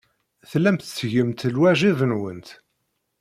Tellamt tettgemt lwajeb-nwent.